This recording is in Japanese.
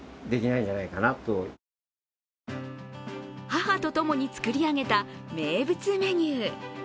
母とともに作り上げた名物メニュー。